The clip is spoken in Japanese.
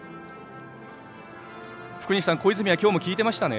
福西さん、小泉は今日も効いていましたね。